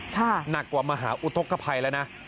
หนักกว่ามหาอุทธกภัยแล้วนะ